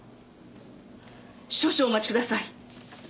少々お待ちください。